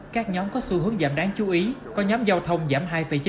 các nhóm có xu hướng giảm đáng chú ý có nhóm giao thông giảm hai chín mươi năm